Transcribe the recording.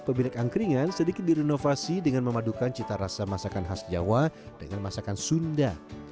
pemilik angkringan sedikit direnovasi dengan memadukan cita rasa masakan khas jawa dengan masakan sunda